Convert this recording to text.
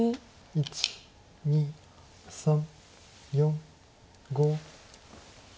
１２３４５。